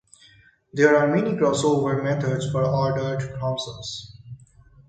There are many crossover methods for ordered chromosomes.